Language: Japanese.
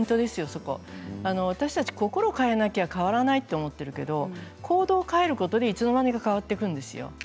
そこは私たちは心を変えなきゃ変わらないと思っているけれども行動を変えることでいつの間にか変わっていくんです。